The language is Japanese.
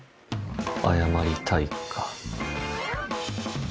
「謝りたい」か。